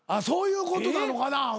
そういうことなのかな？